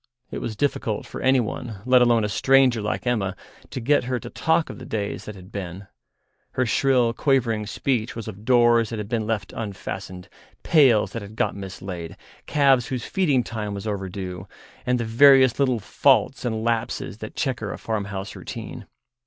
It was difficult for anyone, let alone a stranger like Emma, to get her to talk of the days that had been; her shrill, quavering speech was of doors that had been left unfastened, pails that had got mislaid, calves whose feeding time was overdue, and the various little faults and lapses that chequer a farmhouse routine.